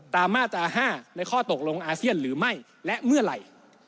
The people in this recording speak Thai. มาตรา๕ในข้อตกลงอาเซียนหรือไม่และเมื่อไหร่